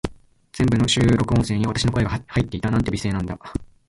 全部の収録音声に、私の声が入っていた。なんて美声なんだ。